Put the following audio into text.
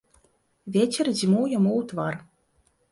Вецер дзьмуў яму ў твар.